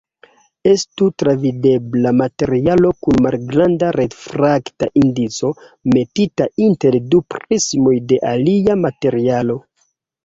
Estu travidebla materialo kun malgranda refrakta indico, metita inter du prismoj de alia materialo.